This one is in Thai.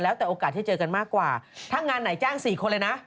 แล้วแต่โอกาสที่เจอกันมากกว่าถ้างานไหนแจ้ง๔คนเลยนะ